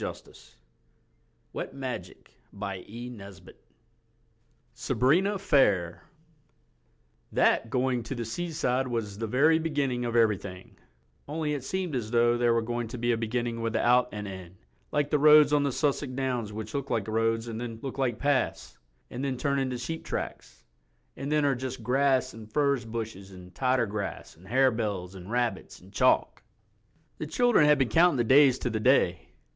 _ 152 CHAPTER ONE Sabrina Fair THAT GOING TO THE SEASIDE was the very beginning of everything—only it seemed as though it were going to be a beginning without an end, like the roads on the Sussex downs which look like roads and then look like paths, and then turn into sheep tracks, and then are just grass and furze bushes and tottergrass and harebells and rabbits and chalk. The children had been counting the days to The Day.